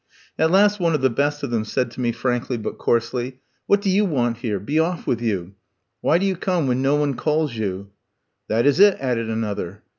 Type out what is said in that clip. At last one of the best of them said to me frankly, but coarsely: "What do you want here? Be off with you! Why do you come when no one calls you?" "That is it," added another.